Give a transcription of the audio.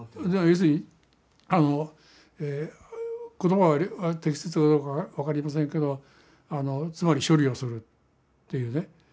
要するにあの言葉が適切かどうか分かりませんけどあのつまり処理をするっていうね。